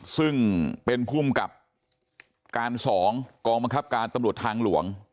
ซึ่งเป็นภูมิกับการ๒กองบังคับการตำรวจทางหลวง